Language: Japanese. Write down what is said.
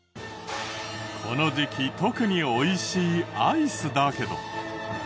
この時期特に美味しいアイスだけど。